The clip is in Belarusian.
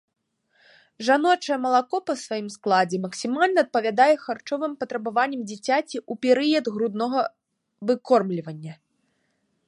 Жаночае малако па сваім складзе максімальна адпавядае харчовым патрабаванням дзіцяці ў перыяд груднога выкормлівання.